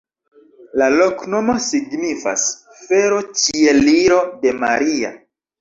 La loknomo signifas: fero-Ĉieliro de Maria.